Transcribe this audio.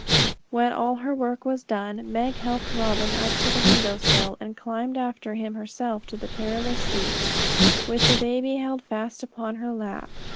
When all her work was done, Meg helped Robin up to the window sill, and climbed after him herself to the perilous seat, with the baby held fast upon her lap.